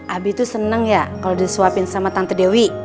abi tuh seneng ya kalo disuapin sama tante dewi